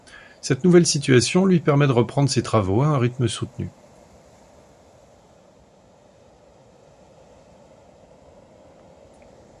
Cette nouvelle situation lui permet de reprendre ses travaux à un rythme soutenu.